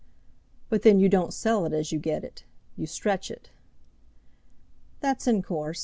"But then you don't sell it as you get it. You stretch it." "That's in course.